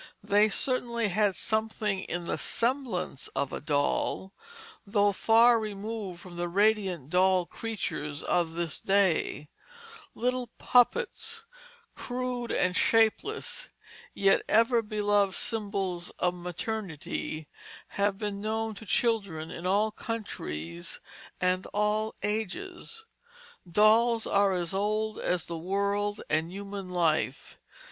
They certainly had something in the semblance of a doll, though far removed from the radiant doll creatures of this day; little puppets, crude and shapeless, yet ever beloved symbols of maternity, have been known to children in all countries and all ages; dolls are as old as the world and human life.